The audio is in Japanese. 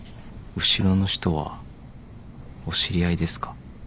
後ろの人はお知り合いですか？